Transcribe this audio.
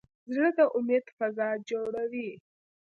زړه د امید فضا جوړوي.